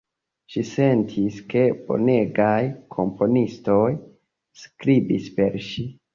Ŝi sentis, ke bonegaj komponistoj skribis per ŝi.